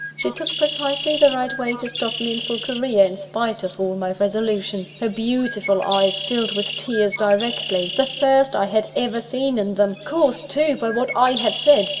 She took precisely the right way to stop me in full career, in spite of all my resolution. Her beautiful eyes filled with tears directly the first I had ever seen in them: caused, too, by what I had said!